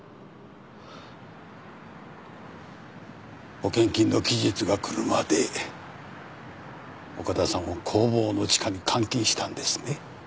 保険金の期日が来るまで岡田さんを工房の地下に監禁したんですね？